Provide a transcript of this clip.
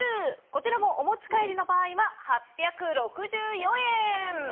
こちらもお持ち帰りの場合は８６４円。